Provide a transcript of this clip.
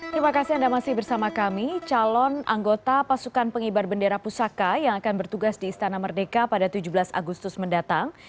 terima kasih anda masih bersama kami calon anggota pasukan pengibar bendera pusaka yang akan bertugas di istana merdeka pada tujuh belas agustus mendatang